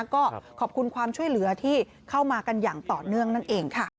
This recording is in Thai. ก็ขอบคุณความช่วยเหลือที่เข้ามากันอย่างต่อเนื่องนั่นเองค่ะ